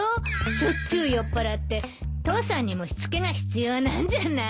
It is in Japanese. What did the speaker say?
しょっちゅう酔っぱらって父さんにもしつけが必要なんじゃない？